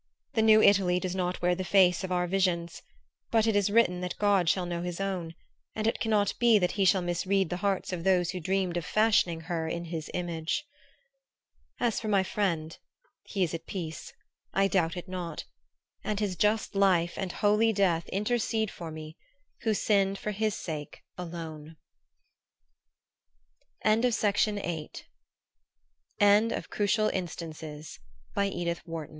The new Italy does not wear the face of our visions; but it is written that God shall know His own, and it cannot be that He shall misread the hearts of those who dreamed of fashioning her in His image. As for my friend, he is at peace, I doubt not; and his just life and holy death intercede for me, who sinned for his sake alone. End of the Project Gutenberg EBook of Crucial Instances, by Ed